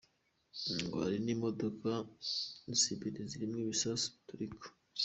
Ngo hari n'imodoka zibiri zirimwo ibisasu biturika.